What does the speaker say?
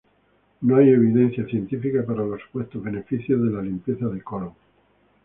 No hay evidencia científica para los supuestos beneficios de la limpieza de colon.